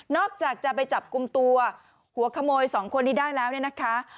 จากจะไปจับกลุ่มตัวหัวขโมย๒คนนี้ได้แล้วเนี่ยนะคะ